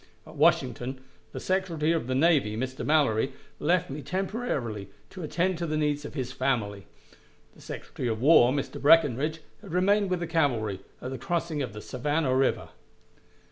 At Washington, the Secretary of the Navy, Mr. Mallory, left me temporarily to attend to the needs of his family. The Secretary of War, Mr. Breckinridge, had remained with the cavalry at the crossing of the Savannah River.